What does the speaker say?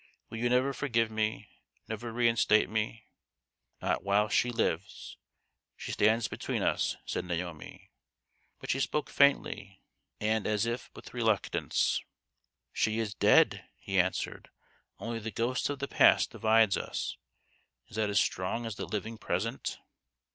" Will you never forgive me ? never reinstate me ?"" Not while she lives. She stands between us," said Naomi ; but she spoke faintly, and as if with reluctance. THE GHOST OF THE PAST. 191 " She is dead," he answered ;" only the ghost of the past divides us. Is that as strong as the living present